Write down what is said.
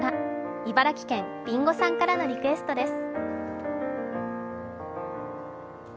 茨城県、りんごさんからのリクエストです。